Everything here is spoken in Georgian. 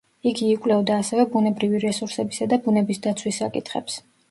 იგი იკვლევდა ასევე ბუნებრივი რესურსებისა და ბუნების დაცვის საკითხებს.